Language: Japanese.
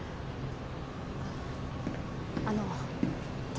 あっあの私